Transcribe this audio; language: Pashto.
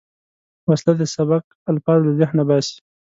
وسله د سبق الفاظ له ذهنه باسي